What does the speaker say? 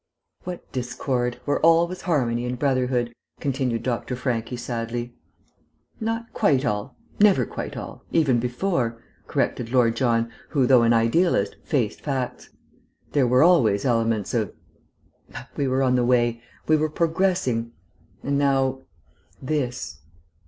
"What discord, where all was harmony and brotherhood!" continued Dr. Franchi sadly. "Not quite all. Never quite all, even before," corrected Lord John, who, though an idealist, faced facts. "There were always elements of ... But we were on the way; we were progressing. And now this."